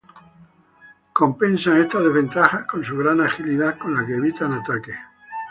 Compensan esta desventaja con su gran agilidad con la que evitan ataques.